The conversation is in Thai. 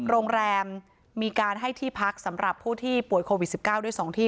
โรงแรมมีการให้ที่พักสำหรับผู้ที่ป่วยโควิด๑๙ด้วย๒ที่